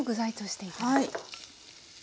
はい。